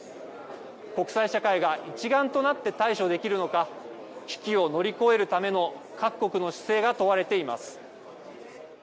国際社会が一丸となって対処できるのか、危機を乗り越えるための各国の姿勢が問われています。